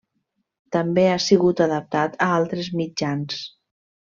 També ha sigut adaptat a altres mitjans.